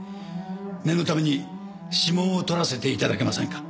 念のために指紋を取らせて頂けませんか？